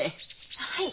はい！